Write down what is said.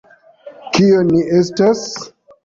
Kio ni estas?